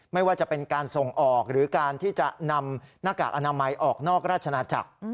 ไม่ว่าจะเป็นการส่งออกหรือการที่จะนำหน้ากากอนามัยออกนอกราชนาจักร